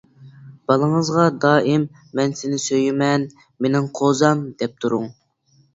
بالىڭىزغا دائىم: «مەن سېنى سۆيىمەن، مېنىڭ قوزام! » دەپ تۇرۇڭ.